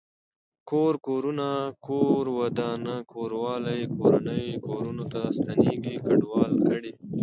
کور کورونه کور ودانه کوروالی کورنۍ کورنو ته ستنيږي کډوالو کډي